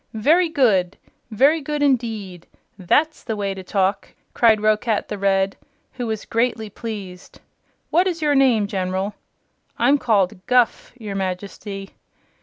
"Very good! Very good, indeed! That's the way to talk!" cried Roquat the Red, who was greatly pleased. "What is your name, General?" "I'm called Guph, your Majesty."